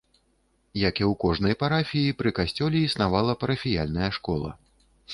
Як і ў кожнай парафіі, пры касцёле існавала парафіяльная школа.